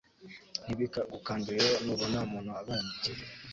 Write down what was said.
Ntibikagukange rero nubona umuntu abaye umukire